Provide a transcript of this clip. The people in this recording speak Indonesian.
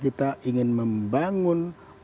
bukan sekedar membangun seperti itu